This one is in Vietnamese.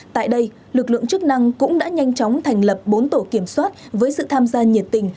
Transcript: tại đây lực lượng chức năng cũng đã nhanh chóng thành lập bốn tổ kiểm soát với sự tham gia nhiệt tình